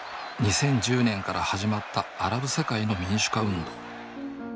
２０１０年から始まったアラブ世界の民主化運動。